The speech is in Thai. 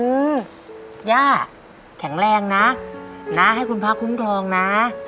ย่าแข็งแรงนะนะให้คุณพระคุ้มครองนะ